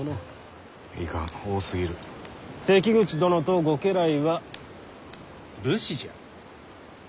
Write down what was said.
関口殿とご家来は武士じゃ。